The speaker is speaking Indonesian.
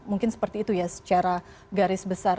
mungkin seperti itu ya secara garis besar